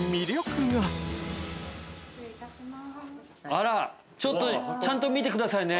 ◆あらっ、ちょっとちゃんと見てくださいね。